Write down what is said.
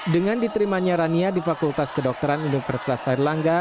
dengan diterimanya rania di fakultas kedokteran universitas airlangga